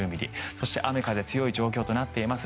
そして雨風が強い状況となっています。